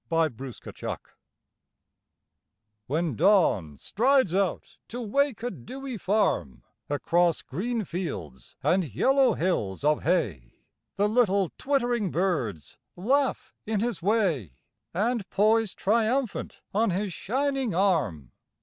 Alarm Clocks When Dawn strides out to wake a dewy farm Across green fields and yellow hills of hay The little twittering birds laugh in his way And poise triumphant on his shining arm.